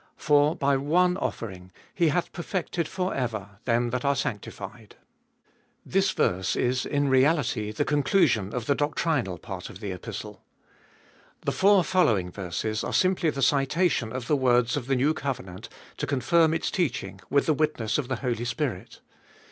For by one offering he hath perfected for ever them that are sanctified. THIS verse is in reality the conclusion of the doctrinal part of the Epistle. The four following verses are simply the citation of the words of the new covenant to confirm its teaching with the witness of the Holy Spirit.